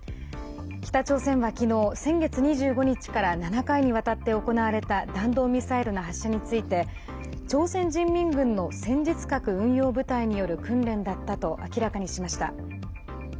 北朝鮮は昨日、先月２５日から７回にわたって行われた弾道ミサイルの発射について朝鮮人民軍の戦術核運用部隊による訓練だったと明らかにしました。